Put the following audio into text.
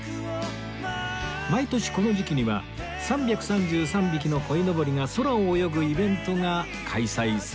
毎年この時期には３３３匹の鯉のぼりが空を泳ぐイベントが開催されます